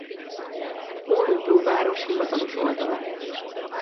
Ólubló város hivatalos oldala